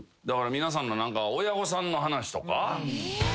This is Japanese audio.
だから皆さんの親御さんの話とか。